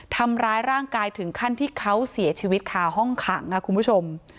ทำร้ายร่างกายถึงขั้นที่เขาเสียชีวิตค่ะห้องขังค่ะคุณผู้ชม